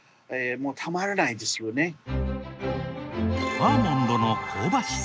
アーモンドの香ばしさ。